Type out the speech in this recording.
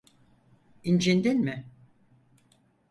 İncindin mi?